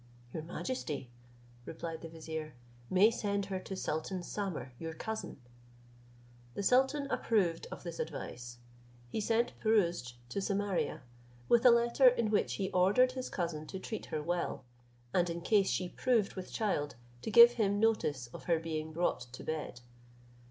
"Your majesty," replied the vizier, "may send her to sultan Samer, your cousin." The sultan approved of this advice; he sent Pirouzč to Samaria, with a letter, in which he ordered his cousin to treat her well, and, in case she proved with child, to give him notice of her being brought to bed.